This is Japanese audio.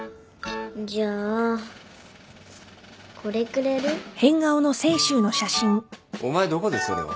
じゃあこれくれる？お前どこでそれを。